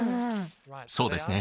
そうですね。